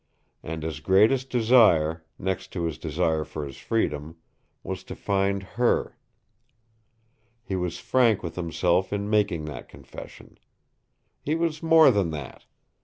And his greatest desire, next to his desire for his freedom, was to find her. He was frank with himself in making that confession. He was more than that.